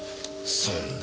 そんな。